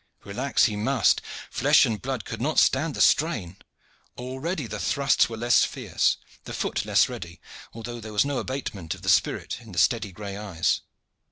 Relax he must! Flesh and blood could not stand the strain. Already the thrusts were less fierce, the foot less ready, although there was no abatement of the spirit in the steady gray eyes.